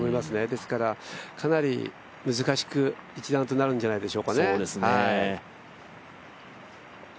ですから、かなり難しく一段となるんじゃないでしょうかね。